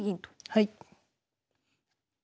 はい。